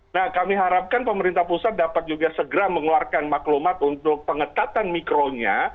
nah kami harapkan pemerintah pusat dapat juga segera mengeluarkan maklumat untuk pengetatan mikronya